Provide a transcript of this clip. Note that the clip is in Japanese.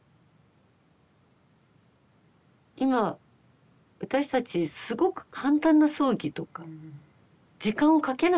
今私たちすごく簡単な葬儀とか時間をかけない葬儀。